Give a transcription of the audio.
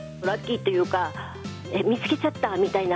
ラッキーっていうか、見つけちゃった！